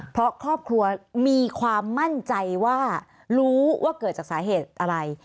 เพราะครอบครัวมีความมั่นใจว่ารู้ว่าเกิดจากสาเหตุอะไร